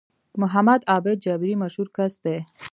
محمد عابد جابري مشهور کس دی